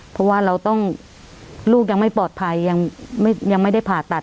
เพราะว่าเราต้องลูกยังไม่ปลอดภัยยังไม่ได้ผ่าตัด